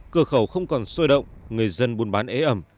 cửa khẩu không còn sôi động người dân buôn bán ế ẩm